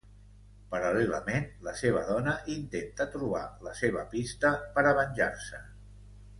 Paral·lelament, la seva dona intenta trobar la seva pista per a venjar-se.